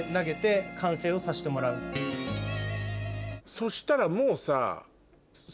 そしたらもうさ。